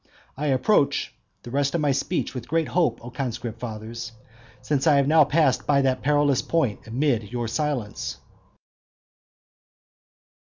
I approach the rest of my speech with great hope, O conscript fathers, since I have now passed by that perilous point amid your silence.